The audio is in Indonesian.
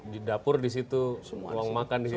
di dapur di situ uang makan di situ